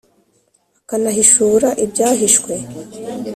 akanahishura ibyahishwe.